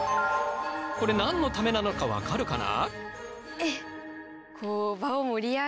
これ何のためなのか分かるかな？